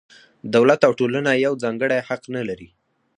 دولت او ټولنه یو ځانګړی حق نه لري.